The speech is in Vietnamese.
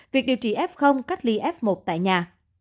việc điều trị f cách ly f một tại nhà